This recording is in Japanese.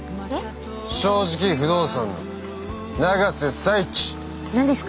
正直不動産永瀬財地です！